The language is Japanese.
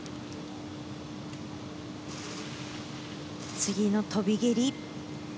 次の飛び蹴り。